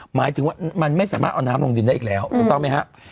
หมายถึงว่ามันไม่สามารถเอาน้ำลงดินได้อีกแล้วถูกต้องไหมครับ